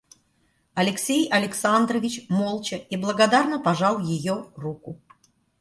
Алексей Александрович молча и благодарно пожал ее руку.